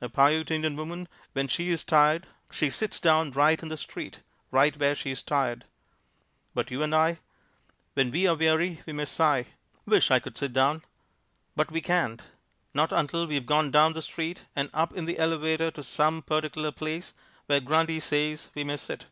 A Piute Indian woman when she's tired she sits down right in the street, right where she's tired. But you and I, when we are weary we may sigh "Wish I could sit down." But we can't, not until we've gone down the street and up in the elevator to some particular place where Grundy says we may sit.